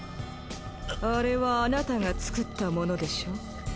あれはあなたが造ったものでしょう？